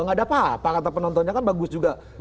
gak ada apa apa kata penontonnya kan bagus juga